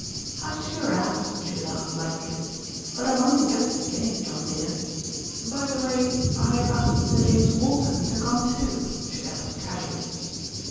"I sure am," she laughed lightly, "but I'm only just beginning, John dear. By the way, I asked Sir James Walton to come too," she added casually.